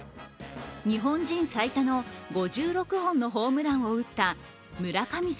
日本人最多の５６本のホームランを打った村神様